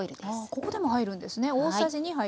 ここでも入るんですね。